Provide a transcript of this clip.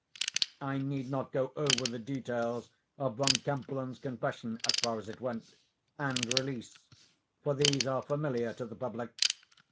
I need not go over the details of Von Kempelen's confession (as far as it went) and release, for these are familiar to the public.